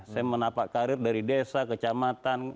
saya menapak karir dari desa ke camatan